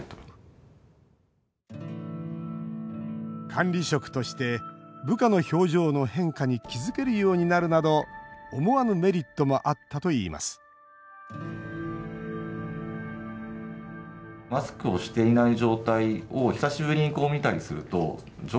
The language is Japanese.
管理職として部下の表情の変化に気付けるようになるなど思わぬメリットもあったといいます一方、課題も見えてきました。